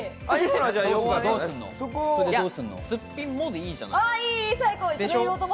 すっぴんも、でいいんじゃないですか。